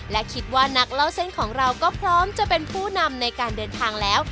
และคิดว่านักเล่าเส้นของเราก็พร้อมจะเป็นผู้นำในการเดินทางแล้ว